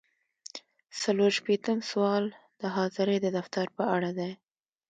څلور شپیتم سوال د حاضرۍ د دفتر په اړه دی.